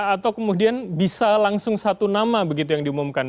atau kemudian bisa langsung satu nama begitu yang diumumkan